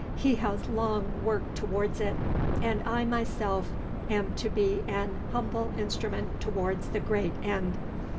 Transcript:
He has long worked towards it; and I myself, am to be an humble instrument towards the great end."